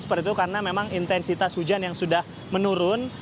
seperti itu karena memang intensitas hujan yang sudah menurun